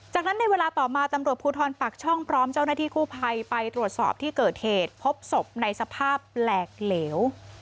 จากนั้นในเวลาต่อมาตำรวจภูทรปากช่องพร้อมเจ้าหน้าที่กู้ภัยไปตรวจสอบที่เกิดเหตุพบศพในสภาพแหลกเหลว